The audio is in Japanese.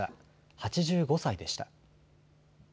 ８５歳でした。